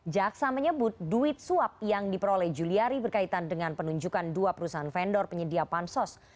jaksa menyebut duit suap yang diperoleh juliari berkaitan dengan penunjukan dua perusahaan vendor penyedia pansos